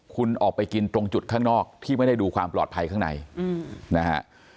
คุณออกไปกินตรงจุดข้างนอกที่ไม่ได้ดูความปลอดภัยข้างในนะฮะ